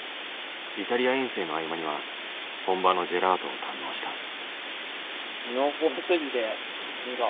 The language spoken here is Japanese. イタリア遠征の合間には本場のジェラートを堪能した。